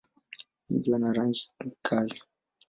Wengi wana rangi kali.